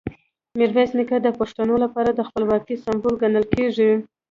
میرویس نیکه د پښتنو لپاره د خپلواکۍ سمبول ګڼل کېږي.